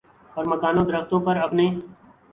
اور مکانوں درختوں پر اپنے